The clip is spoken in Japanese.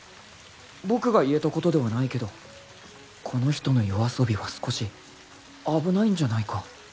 僕が言えたことではないけどこの人の夜遊びは少し危ないんじゃないか？